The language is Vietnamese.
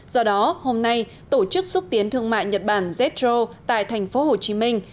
do đó hôm nay tổ chức xúc tiến thương mại nhật bản zroo tại thành phố hồ chí minh